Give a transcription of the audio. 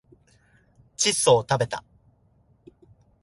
窒素をたべた